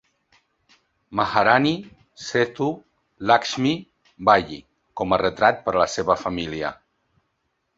Maharani Sethu Lakshmi Bayi, com a retrat per a la seva família.